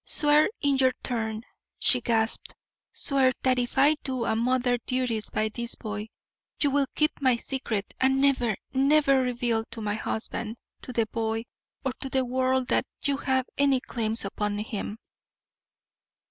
"Swear in your turn!" she gasped. "Swear that if I do a mother's duty by this boy, you will keep my secret and never, never reveal to my husband, to the boy, or to the world that you have any claims upon him!"